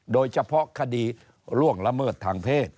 โดยเฉพาะคดีล่วงละเมิดทางเพศ